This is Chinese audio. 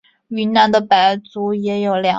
云南的白族也有凉粉。